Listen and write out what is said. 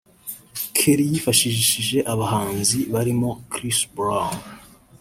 Keri yifashishije abahanzi barimo Chris Brown